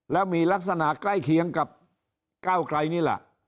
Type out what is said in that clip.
แล้วมีลักษณะใกล้เคียงกับก้าวไกลนี่แหละ